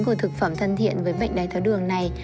của thực phẩm thân thiện với bệnh đái tháo đường này